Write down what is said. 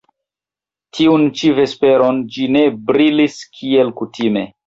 Tiun ĉi vesperon ĝi ne brilis kiel kutime.